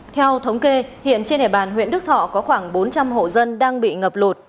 theo thống kê hiện trên đề bàn huyện đức thọ có khoảng bốn trăm linh hộ dân đang bị ngập lụt